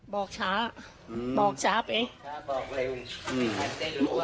บอกช้าบอกช้าไป